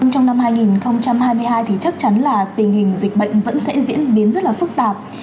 trong năm hai nghìn hai mươi hai thì chắc chắn là tình hình dịch bệnh vẫn sẽ diễn biến rất là phức tạp